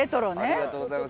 ありがとうございます。